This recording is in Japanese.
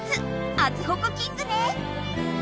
アツホクキング」ね！